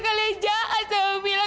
kalian jahat ya oh mila